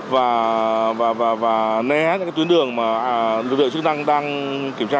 và né những cái tuyến đường mà lực lượng chức năng đang kiểm tra